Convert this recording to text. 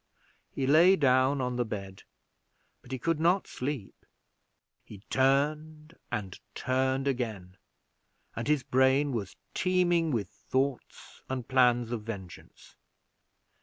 He lay down on the bed, but he could not sleep. He turned and turned again, and his brain was teeming with thoughts and plans of vengeance.